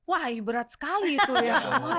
wah berat sekali itu ya